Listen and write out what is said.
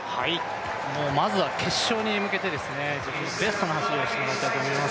もうまずは決勝に向けて、自分のベストの走りをしてもらいたいと思います。